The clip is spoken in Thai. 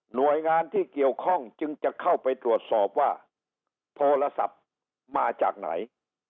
โดยงานที่เกี่ยวข้องจึงจะเข้าไปตรวจสอบว่าโทรศัพท์มาจากไหน